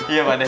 iya pak de